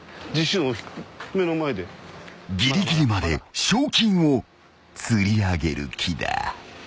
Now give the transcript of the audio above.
［ぎりぎりまで賞金を釣り上げる気だ］